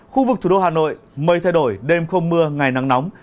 khu vực thủ đô hà nội mây thay đổi đêm không mưa ngày nắng nóng